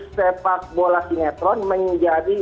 sepak bola sinetron menjadi